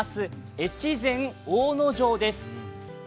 越前大野城です。